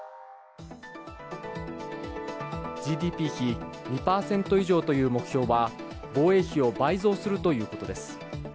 ＧＤＰ比２％以上という目標は防衛費を倍増するということです。